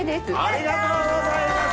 ありがとうございます！